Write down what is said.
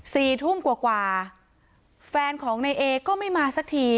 สี่ทุ่มกว่ากว่าแฟนของนายเอก็ไม่มาสักที